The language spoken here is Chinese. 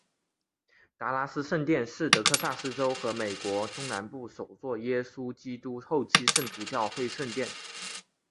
达拉斯圣殿是得克萨斯州和美国中南部首座耶稣基督后期圣徒教会圣殿。